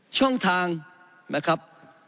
ช่องทางนะครับ